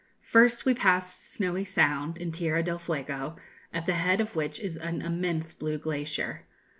First we passed Snowy Sound, in Tierra del Fuego, at the head of which is an immense blue glacier.